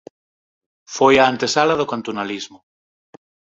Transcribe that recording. Foi a antesala do cantonalismo.